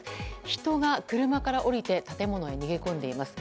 人が車から降りて建物へ逃げ込んでいます。